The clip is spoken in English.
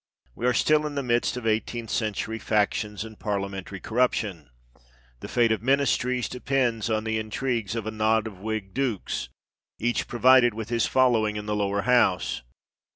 We are still in the midst of eighteenth century factions and parliamentary corruption. The fate of ministries depends on the intrigues of a knot of Whig dukes, each provided with his following in the Lower House.